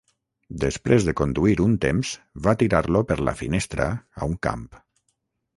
Després de conduir un temps, va tirar-lo per la finestra a un camp.